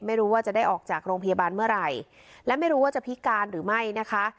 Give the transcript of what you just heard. ไม่รู้ว่าจะได้ออกจากโรงพยาบาลเมื่อไหร่และไม่รู้ว่าจะพิการหรือไม่นะคะ